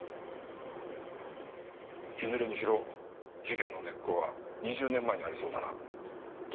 いずれにしろ事件の根っこは２０年前にありそうだな。